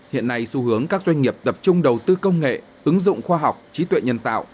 hiện nay xu hướng các doanh nghiệp tập trung đầu tư công nghệ ứng dụng khoa học trí tuệ nhân tạo